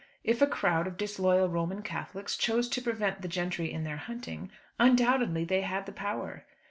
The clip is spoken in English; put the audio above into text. If a crowd of disloyal Roman Catholics chose to prevent the gentry in their hunting, undoubtedly they had the power.